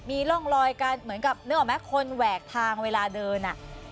มันมีร่องรอยกันเหมือนกับคนแหวกทางเวลาเดิน